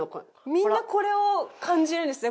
みんなこれを感じるんですね。